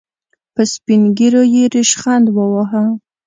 په سپين ږيرو يې ريشخند وواهه.